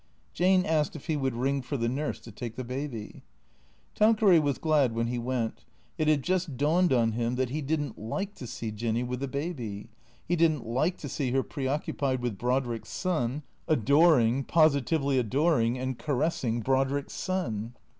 Jane asked if he would ring for the nurse to take the baby. Tanqueray was glad when he went. It had just dawned on him that he didn't like to see Jinny with a baby; he didn't like to see her preoccupied with Brodrick's son, adoring, posi tively adoring, and caressing Brodrick's son.